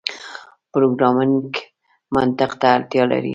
پروګرامنګ منطق ته اړتیا لري.